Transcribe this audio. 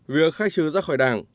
việc khai trừ ra khỏi đảng